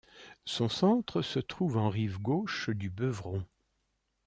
Son centre se trouve en rive gauche du Beuvron.